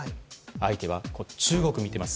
相手は中国を見ています。